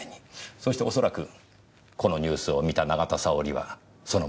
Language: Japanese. そしておそらくこのニュースを見た永田沙織はそのメッセージを読み取った。